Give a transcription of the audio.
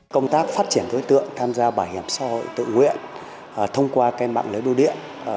công tác phát triển đối tượng tham gia bảo hiểm xã hội tự nguyện thông qua kênh bảng lưới đô điện